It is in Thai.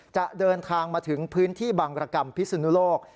จะเดินทางมาถึงพื้นที่บังรกรรมพิสุนุโลก